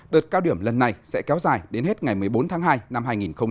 đợt cao điểm lần này sẽ kéo dài đến hết ngày một mươi bốn tháng hai năm hai nghìn hai mươi